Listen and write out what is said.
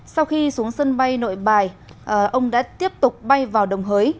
sau khi xuống sân bay nội bài ông đã tiếp tục bay vào đồng hới